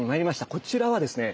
こちらはですね